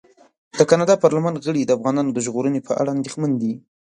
د کاناډا پارلمان غړي د افغانانو د ژغورنې په اړه اندېښمن دي.